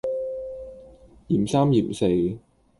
嫌三嫌四